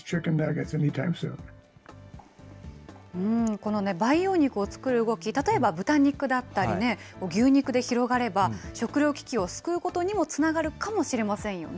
この培養肉を作る動き、例えば豚肉だったりね、牛肉で広がれば、食料危機を救うことにもつながるかもしれませんよね。